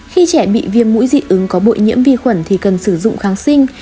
khi trẻ bị viêm mũi dị ứng có bụi nhiễm vi khuẩn thì cần sử dụng kháng sinh